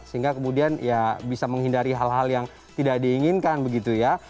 sehingga kemudian ya bisa menghindari hal hal yang tidak diinginkan begitu ya